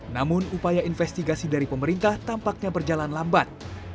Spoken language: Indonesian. namun upaya investigasi dari pemerintah tampaknya berjalan lambat